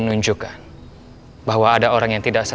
menunjukkan bahwa ada orang yang tidak